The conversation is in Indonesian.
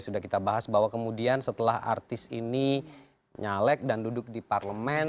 sudah kita bahas bahwa kemudian setelah artis ini nyalek dan duduk di parlemen